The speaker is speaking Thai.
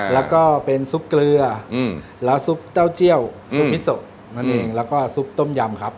แล้วก็เป็นซุปเกลือแล้วซุปเต้าเจี่ยวซุปมิโซนั่นเองแล้วก็ซุปต้มยำครับ